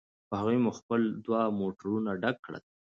په هغوی مو خپل دوه موټرونه ډک کړل.